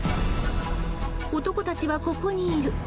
男たちはここにいる。